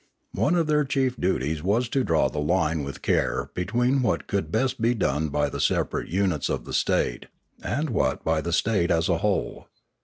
One of their chief duties was to draw the line with care between what could best be done by the separate units of the state, and what by the state as a whole.